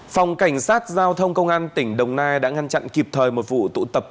phòng cảnh sát giao thông công an tỉnh đồng nai đã ngăn chặn kịp thời một vụ tụ tập